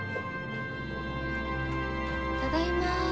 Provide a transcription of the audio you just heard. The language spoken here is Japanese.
ただいま。